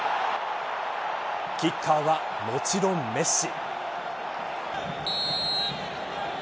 キッカーは、もちろんメッシ。